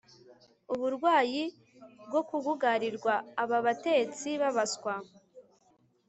uburwayi bwo kugugarirwa Aba batetsi babaswa